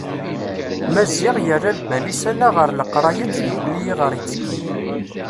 Maziɣ yerra lbal-is ala ɣer leqraya d tdukkli iɣer ittekki.